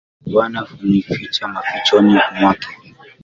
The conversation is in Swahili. Bwana hunificha mafichoni mwake.